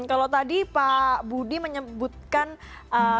kalau tadi pak budi menyebutkan syarat syarat lainnya